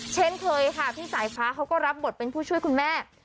เช่นเคยค่ะพี่สายฟ้าเขาก็รับบทเป็นผู้ช่วยคุณแม่